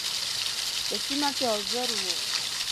په سیمه کې حاضر وو.